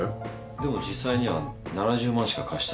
でも実際には７０万しか貸してない。